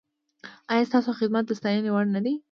ایا ستاسو خدمت د ستاینې وړ نه دی؟